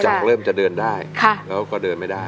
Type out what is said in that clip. เริ่มจะเดินได้แล้วก็เดินไม่ได้